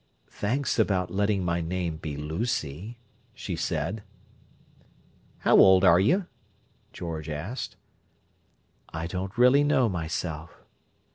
"Thanks about letting my name be Lucy," she said. "How old are you?" George asked. "I don't really know, myself."